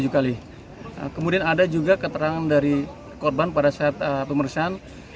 kemudian ada juga keterangan dari korban pada saat pemeriksaan